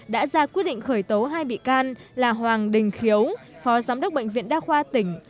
đã ra quyết định khởi tố hai bị can là hoàng đình khiếu phó giám đốc bệnh viện đa khoa tỉnh